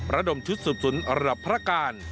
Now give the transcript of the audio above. ระดมชุดสืบสวนระดับพระการ